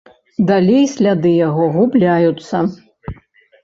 Далей сляды яго губляюцца.